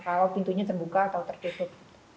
kalau pintunya terbuka atau tertutup